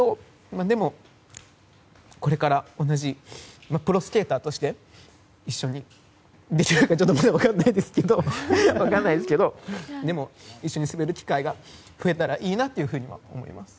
でも、これから同じプロスケーターとして一緒にできるかちょっとまだ分からないですけどでも、一緒に滑る機会が増えたらいいなとは思います。